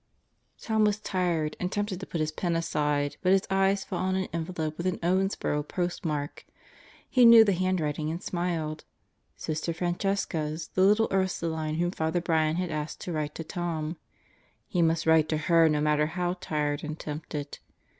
... Tom was tired and tempted to put his pen aside but his eyes fell on an envelope with an Owensboro postmark. He knew the handwriting and smiled: Sister Francesca's, the little Ursuline whom Father Brian had asked to write to Tom. He must write to her no matter how tired and tempted.